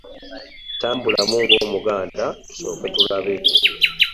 Tambulamu ng'omuganda tusooke tulabe.